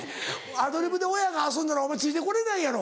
アドリブで親が遊んだらお前ついて来れないやろ？